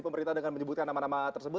pemerintah dengan menyebutkan nama nama tersebut